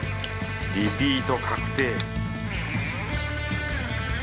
リピート確定